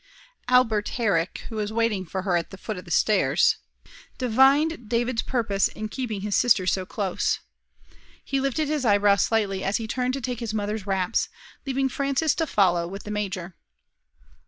Albert Herrick, who was waiting for her at the foot of the stairs, divined David's purpose in keeping his sister so close. He lifted his eyebrows slightly as he turned to take his mother's wraps, leaving Frances to follow with the major.